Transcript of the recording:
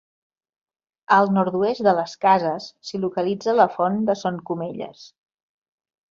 Al nord-oest de les cases s'hi localitza la font de Son Comelles.